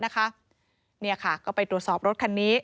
แล้วก็ไปตรวจสอบรถคันนี้